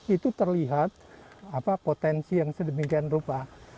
itu terlihat potensi yang sedemikian rupa